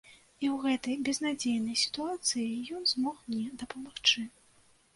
І ў гэтай безнадзейнай сітуацыі ён змог мне дапамагчы.